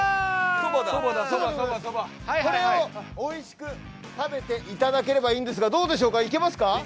これをおいしく食べていただければいいんですがどうでしょうか、いけますか？